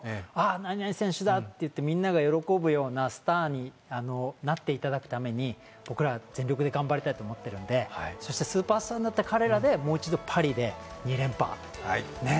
何々選手だって言ってみんなが喜ぶようなスターになっていただくために僕ら全力で頑張りたいと思ってるんでそしてスーパースターになった彼らでもう一度パリで２連覇ねっ